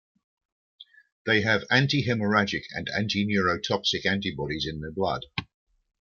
They have antihemorrhagic and antineurotoxic antibodies in their blood.